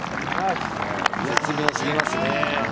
絶妙すぎますね。